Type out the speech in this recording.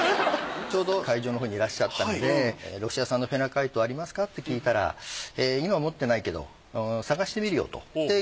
ちょうど会場のほうにいらっしゃったのでロシア産のフェナカイトありますかって聞いたら今持ってないけど探してみるよと。